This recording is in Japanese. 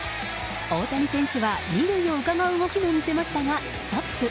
大谷選手は２塁をうかがう動きも見せましたがストップ。